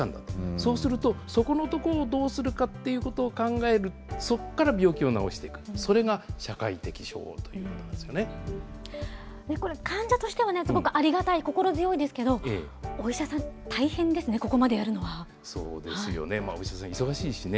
そうすると、そこのところをどうするかということを考える、そこから病気を治していく、それが社これ、患者としてはね、ありがたい、心強いですけれども、お医者さん、大変ですね、ここまでそうですよね、お医者さん、忙しいしね。